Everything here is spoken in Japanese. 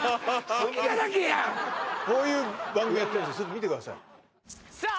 隙だらけやこういう番組やってるんですちょっと見てください・さあ